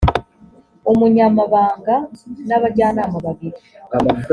umunyamabanga n abajyanama babiri